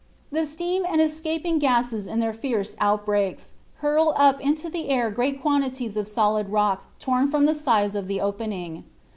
The steam and escaping gases in their fierce outbreaks hurl up into the air great quantities of solid rock torn from the sides of the opening.